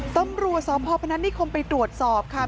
ตำรวจสพพนัฐนิคมไปตรวจสอบค่ะ